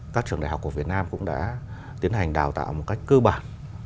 các trường đại học của việt nam cũng đã tiến hành đào tạo một cách cơ bản